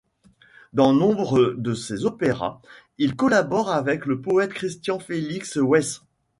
Dans nombre de ces opéras il collabore avec le poète Christian Felix Weisse.